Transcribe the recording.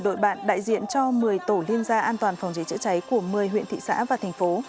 một mươi đội bạn đại diện cho một mươi tổ liên gia an toàn phòng trái chữa trái của một mươi huyện thị xã và thành phố